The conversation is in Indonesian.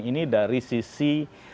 ini dari sisi